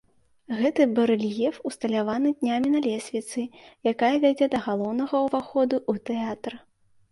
Гэты барэльеф усталяваны днямі на лесвіцы, якая вядзе да галоўнага ўваходу ў тэатр.